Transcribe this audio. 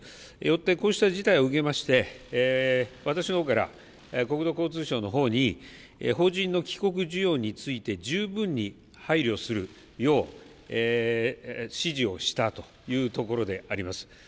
こうした事態を受けまして私のほうから国土交通省のほうに邦人の帰国需要について十分に配慮するよう指示をしたというところであります。